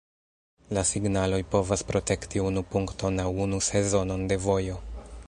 La signaloj povas protekti unu punkton aŭ unu sezonon de vojo.